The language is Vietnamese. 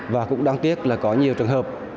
và cũng đáng tiếc là có nhiều trường hợp